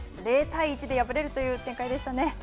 ０対１で敗れるという展開でしたね。